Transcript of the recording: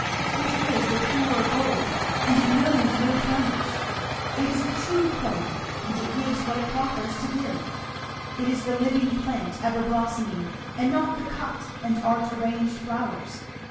It is the pure gold, and it knows no tarnish; it is the true coin, and it gives what it proffers to give; it is the living plant ever blossoming, and not the cut and art arranged flowers.